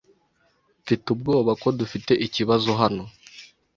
Mfite ubwoba ko dufite ikibazo hano.